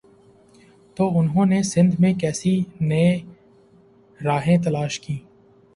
تو انہوں نے سندھ میں کیسے نئی راہیں تلاش کیں۔